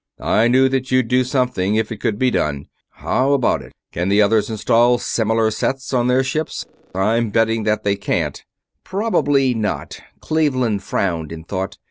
"I knew that you'd do something, if it could be done. How about it can the others install similar sets on their ships? I'm betting that they can't." "Probably not," Cleveland frowned in thought.